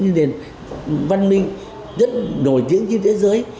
nền văn minh rất nổi tiếng trên thế giới